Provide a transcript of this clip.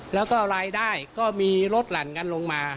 แล้วก็รายได้ก็มีลดหลั่นกันลงมา